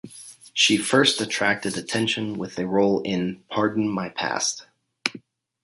She "first attracted attention with a role in "Pardon My Past".